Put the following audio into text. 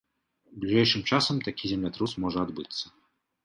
Бліжэйшым часам такі землятрус можа адбыцца.